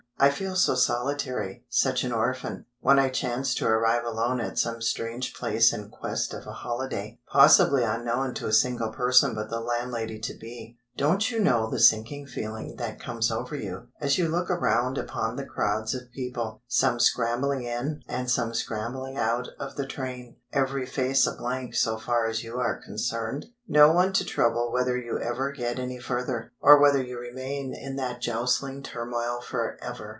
I feel so solitary, such an orphan, when I chance to arrive alone at some strange place in quest of a holiday, possibly unknown to a single person but the landlady to be. Don't you know the sinking feeling that comes over you as you look round upon the crowds of people, some scrambling in, and some scrambling out of the train; every face a blank so far as you are concerned? No one to trouble whether you ever get any further, or whether you remain in that jostling turmoil for ever.